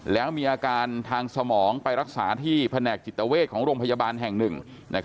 แล้วมีอาการทางสมองไปรักษาที่แผนกจิตเวชของโรงพยาบาลแห่งหนึ่ง